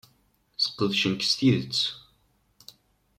Sqedcen-k s tidet.